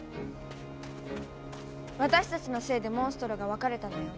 私たちのせいでモンストロが分かれたのよ。